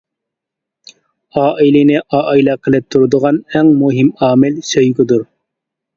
ئائىلىنى ئائىلە قىلىپ تۇرىدىغان ئەڭ مۇھىم ئامىل سۆيگۈدۇر.